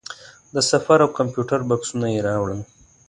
د سفر او کمپیوټر بکسونه یې راوړل.